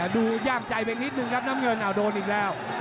ดูย่ามใจไปนิดนึงครับน้ำเงินโดนอีกแล้ว